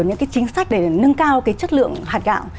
những chính sách để nâng cao chất lượng hạt gạo